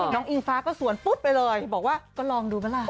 น้องอีฟ้าก็สวนปุ๊บไปเลยบอกว่าก็ลองดูเมื่อไหร่